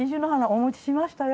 お持ちしましたよ。